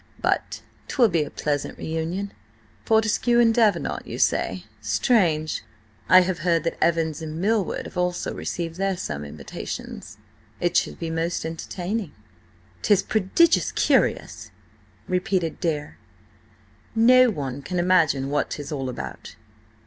But 'twill be a pleasant reunion. ... Fortescue and Davenant, you say? Strange! I have heard that Evans and Milward have also received their sum–invitations. It should be most entertaining." "'Tis prodigious curious," repeated Dare. "No one can imagine what 'tis all about!"